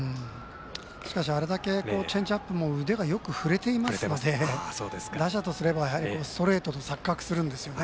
しかしあれだけチェンジアップも腕がよく振れていますので打者とすれば、ストレートと錯覚するんですよね。